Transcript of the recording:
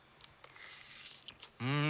うん！